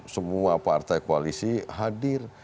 semua partai koalisi hadir